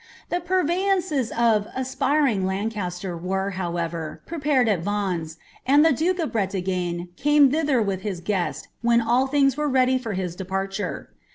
Tbi __ veyances of >* aspiring Lancaster" were, however, prepared U Vtf and the duke of Bretagne came thither with his guest, when all ihi were ready for his departure.